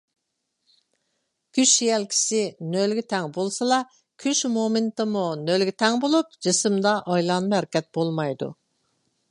كۈچ يەلكىسى نۆلگە تەڭ بولسىلا، كۈچ مومېننتىمۇ نۆلگە تەن بولۇپ، جىسىمدا ئايلانما ھەرىكەت بولمايدۇ.